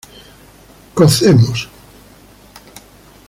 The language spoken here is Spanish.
cocemos